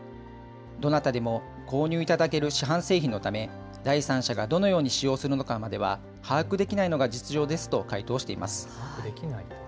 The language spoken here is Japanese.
どなたでも購入いただける市販製品のため、第三者がどのように使用するのかまでは把握できないのが実情ですと回答しています。